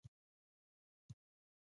رسول الله ﷺ پلار د زېږېدو مخکې وفات شو.